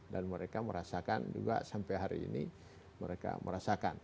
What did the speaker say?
dan mereka merasakan juga sampai hari ini mereka merasakan